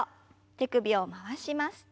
手首を回します。